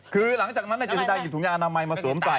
คือหลังจากนั้นแจ้งปรากฏว่านายจัดาหยิบถุงยานามัยมาสวมใส่